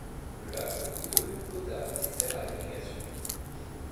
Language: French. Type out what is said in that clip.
Le lac fournit de l'eau potable et sert à l'irrigation.